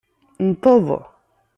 Nteḍ.